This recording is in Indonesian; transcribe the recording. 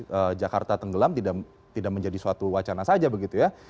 jadi jakarta tenggelam tidak menjadi suatu wacana saja begitu ya